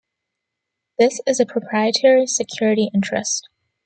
This is a proprietary security interest.